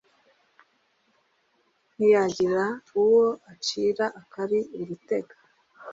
ntiyagira uwo acira akari urutega